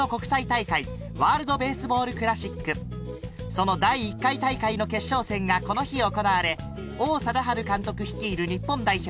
その第１回大会の決勝戦がこの日行われ王貞治監督率いる日本代表